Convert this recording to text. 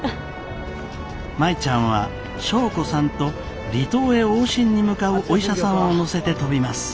舞ちゃんは祥子さんと離島へ往診に向かうお医者さんを乗せて飛びます。